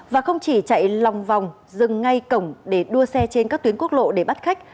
và không chỉ chạy lòng vòng dừng ngay cổng để đua xe trên các tuyến quốc lộ để bắt khách